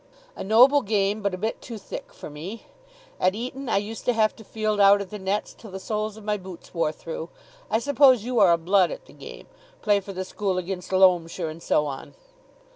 A noble game, but a bit too thick for me. At Eton I used to have to field out at the nets till the soles of my boots wore through. I suppose you are a blood at the game? Play for the school against Loamshire, and so on."